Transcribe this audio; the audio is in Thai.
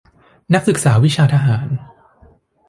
นักศึกษาวิชาทหาร